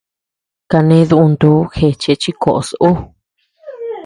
Kané düntuu jecheé chi koʼos ú.